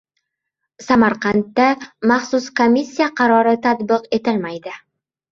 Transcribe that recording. Samarqandda maxsus komissiya qarori tadbiq etilmaydi